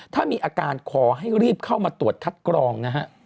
ถ้ามีอาการขอให้รีบเข้ามาตรวจคัดกรองนะฮะ